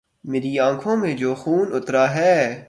میری آنکھوں میں جو خون اترا ہے